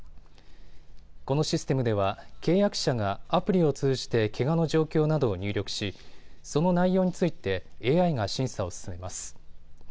このシステムでは契約者がアプリを通じてけがの状況などを入力しその内容についてＡＩが審査を進めます。